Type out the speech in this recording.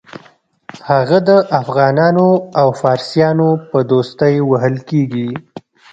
هغه د افغانانو او فارسیانو په دوستۍ وهل کېږي.